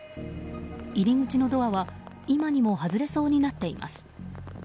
入り口のドアは今にも外れそうになっています。